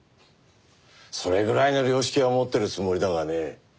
それぐらいの良識は持ってるつもりだがね。